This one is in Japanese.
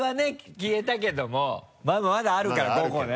消えたけどもまだあるから５個ね。